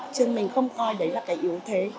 chứ mình không coi đấy là cái yếu thế